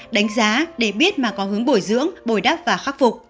đánh giá để biết mà có hướng bồi dưỡng bồi đắp và khắc phục